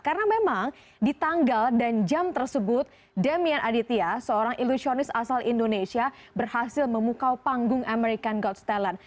karena memang di tanggal dan jam tersebut damien aditya seorang ilusionis asal indonesia berhasil memukau panggung american god's talent